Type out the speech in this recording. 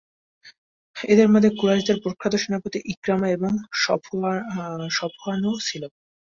এদের মধ্যে কুরাইশদের প্রখ্যাত সেনাপতি ইকরামা এবং সফওয়ানও ছিল।